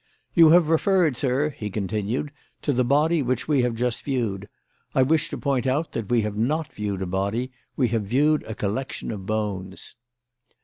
"You have referred, sir," he continued, "to the body which we have just viewed. I wish to point out that we have not viewed a body: we have viewed a collection of bones."